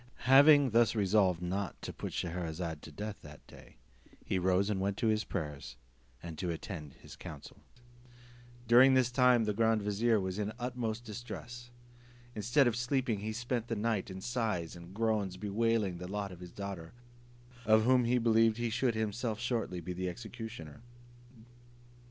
Having thus resolved not to put Scheherazade to death that day, he rose and went to his prayers, and to attend his council. During this time the grand vizier was in the utmost distress. Instead of sleeping, he spent the night in sighs and groans, bewailing the lot of his daughter, of whom he believed he should himself shortly be the executioner.